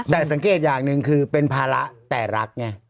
แต่สังเกตอย่างหนึ่งคือเป็นภาระแต่รักไง